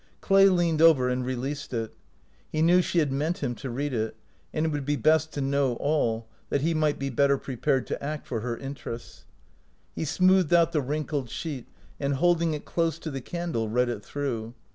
Clay leaned over and re leased it. He knew she had meant him to read it, and it would be best to know all, that he might be better prepared to act for her interests. He smoothed out the wrinkled sheet, and, holding it close to the candle, read it through.